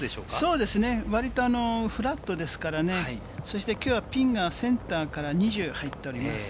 そうですね、割とフラットですからね、きょうはピンがセンターから２０入っております。